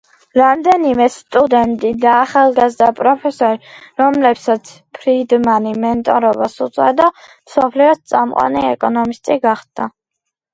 რამდენიმე სტუდენტი და ახალგაზრდა პროფესორი, რომლებსაც ფრიდმანი მენტორობას უწევდა, მსოფლიოს წამყვანი ეკონომისტი გახდა.